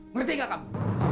ngerti nggak kamu